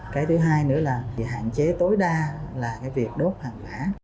cái thứ hai nữa là hạn chế tối đa là cái việc đốt hàng mã